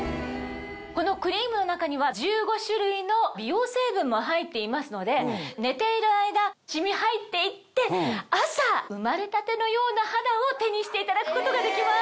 このクリームの中には１５種類の美容成分も入っていますので寝ている間染み入って行って朝生まれたてのような肌を手にしていただくことができます。